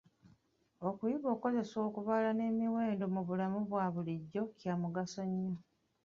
Okuyiga okukozesa okubala n’emiwendo mu bulamu obwa bulijjo kya mugaso nnyo.